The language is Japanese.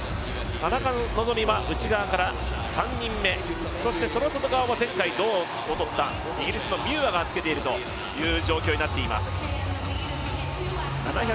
田中希実は内側から３人目、その外側は前回銅を取ったイギリスのミューアがつけているという状況になっています。